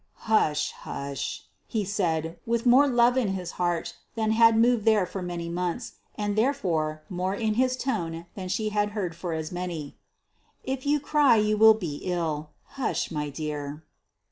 "Hush! hush!" he said, with more love in his heart than had moved there for many months, and therefore more in his tone than she had heard for as many; "if you cry you will be ill. Hush, my dear!"